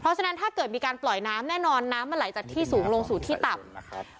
เพราะฉะนั้นถ้าเกิดมีการปล่อยน้ำแน่นอนน้ำมันไหลจากที่สูงลงสู่ที่ต่ำ